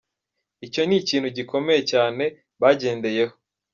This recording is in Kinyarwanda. Icyo ni ikintu gikomeye cyane bagendeyeho.